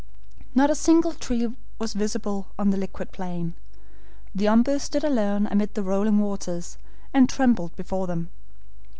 Not a single tree was visible on the liquid plain; the OMBU stood alone amid the rolling waters, and trembled before them.